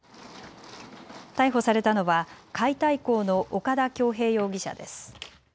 逮捕されたのは解体工の岡田響平容疑者です。